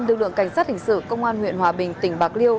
lực lượng cảnh sát hình sự công an huyện hòa bình tỉnh bạc liêu